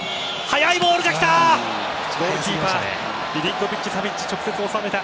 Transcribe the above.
速いボールが来た！